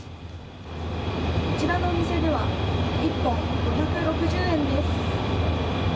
こちらのお店では１本５６０円です。